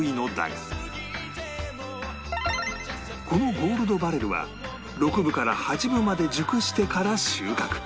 このゴールドバレルは６分から８分まで熟してから収穫